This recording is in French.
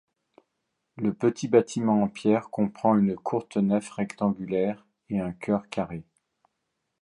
Le petit bâtiment en pierre comprend une courte nef rectangulaire et un chœur carré.